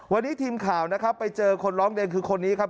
วันนี้ทีมข่าวนะครับไปเจอคนร้องเรียนคือคนนี้ครับ